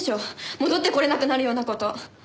戻ってこられなくなるような事。